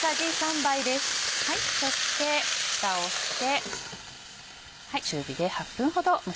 そしてふたをして。